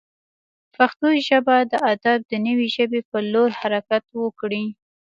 پښتو ژبه د ادب د نوې ژبې پر لور حرکت وکړي.